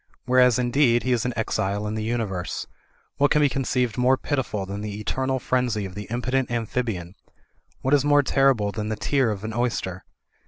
Whereas, indeed, he is an exile in the universe. What can be conceived more pitiful than the eternal frenzy of the impotent amphi bian ? What is more terrible than the tear of an oys ter?